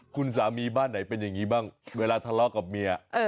คุณสามีบ้านไหนเป็นอย่างนี้บ้างเวลาทะเลาะกับเมีย